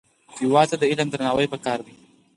هېواد ته د علم درناوی پکار دی